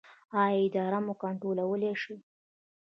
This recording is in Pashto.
ایا ادرار مو کنټرولولی شئ؟